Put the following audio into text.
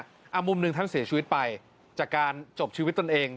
มุมหนึ่งท่านเสียชีวิตไปจากการจบชีวิตตนเอง